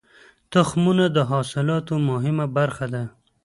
تخمونه د حاصلاتو مهمه برخه ده.